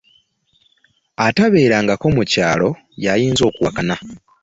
Atabeerangako mu kyalo y'ayinza okuwakana.